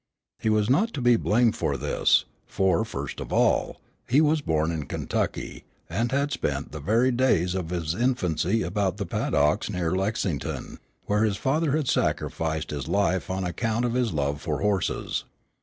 He was not to be blamed for this, for, first of all, he was born in Kentucky, and had spent the very days of his infancy about the paddocks near Lexington, where his father had sacrificed his life on account of his love for horses.